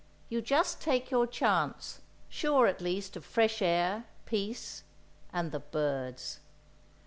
You just take your chance, sure, at least, of fresh air, peace—and the birds.